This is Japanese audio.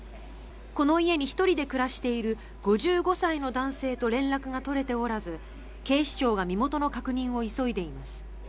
この家に１人で暮らしている５５歳の男性と連絡が取れておらず警視庁が身元の確認を急いでいます。